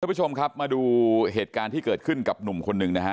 ผู้ชมครับมาดูเหตุการณ์ที่เกิดขึ้นกับหนุ่มคนหนึ่งนะฮะ